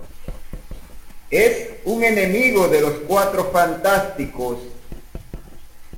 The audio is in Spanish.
Es un enemigo de los Cuatro Fantásticos.